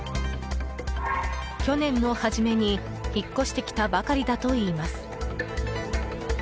去年の初めに引っ越してきたばかりだといいます。